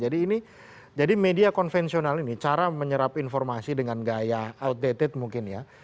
jadi ini jadi media konvensional ini cara menyerap informasi dengan gaya outdated mungkin ya